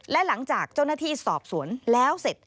และหลังจากเจ้าหน้าที่สอบสวนแล้วเสร็จ